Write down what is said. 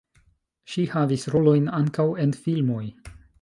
Ŝi havis rolojn ankaŭ en filmoj.